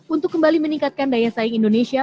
untuk kembali meningkatkan daya saing indonesia